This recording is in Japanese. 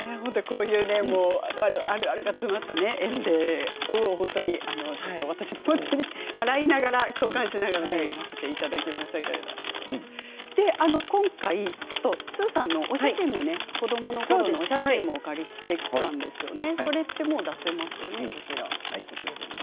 あるあるが詰まったエッセーを私も笑いながら共感しながら読ませていただきましたけれども今回、スーさんのお写真も子どものころのお写真をお借りしてきたんですよね。